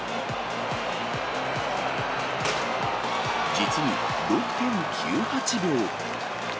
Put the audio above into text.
実に６．９８秒。